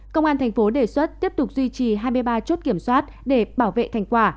công an thành phố đề xuất tiếp tục duy trì hai mươi ba chốt kiểm soát để bảo vệ thành quả